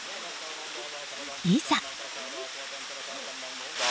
いざ。